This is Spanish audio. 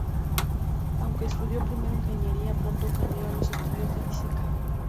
Aunque estudió primero ingeniería, pronto cambió a los estudios de física.